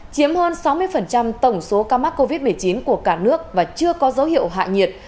chiếm hơn sáu mươi tổng số ca mắc covid một mươi chín của cả nước và chưa có dấu hiệu hạ nhiệt